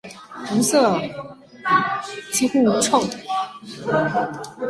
无色几乎无臭液体。